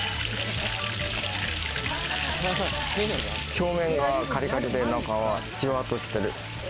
表面がカリカリで、中はジュワッとしている。